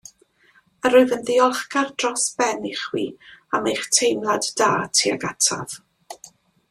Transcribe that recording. Yn wyf yn ddiolchgar dros ben i chwi am eich teimlad da tuag ataf.